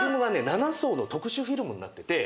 ７層の特殊フィルムになってて。